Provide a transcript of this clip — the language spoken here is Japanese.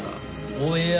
おや？